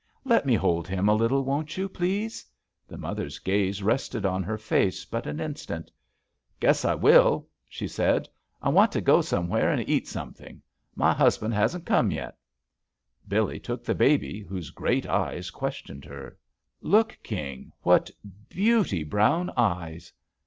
"Let me hold him, a little, won't you, please?" The mother's gaze rested on her face but an instant. "Guess I will," she said. "I want to go somewhere and eat something. My husband hasn't come yet." Billee took the baby, whose great eyes questioned her. "Look, King, what beauty brown eyes!"